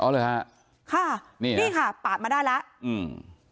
เลยฮะค่ะนี่นี่ค่ะปาดมาได้แล้วอืม